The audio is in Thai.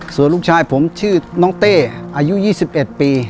ส่วนลูกชายผมชื่อน้องเต้อายุ๒๑ปี